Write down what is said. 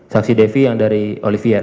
saksi devi yang dari olivier